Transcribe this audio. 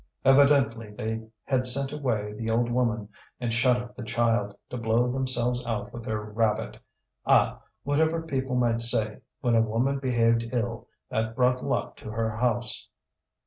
Evidently they had sent away the old woman and shut up the child, to blow themselves out with their rabbit. Ah! whatever people might say, when a woman behaved ill, that brought luck to her house.